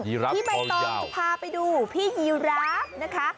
ที่ไม่ต้องพาไปดูพี่ยีราภนะคะ